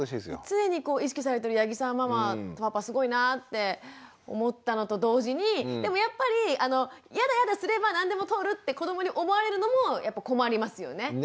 常に意識されてる八木さんママとパパすごいなって思ったのと同時にでもやっぱりヤダヤダすれば何でも通るって子どもに思われるのも困りますよね。ね？